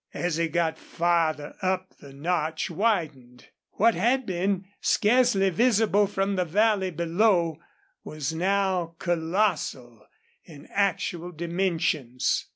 As he got farther up the notch widened. What had been scarcely visible from the valley below was now colossal in actual dimensions.